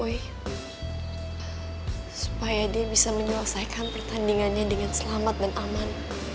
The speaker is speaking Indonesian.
hai supaya dia bisa menyelesaikan pertandingannya dengan selamat dan aman